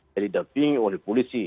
jadi dumping oleh polisi